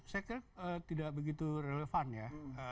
saya kira tidak begitu relevan ya